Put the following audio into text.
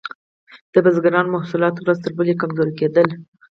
د بزګرانو محصولات ورځ تر بلې کمزوري کیدل.